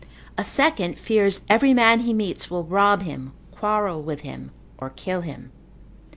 A second fears every man he meets will rob him, quarrel with him, or kill him.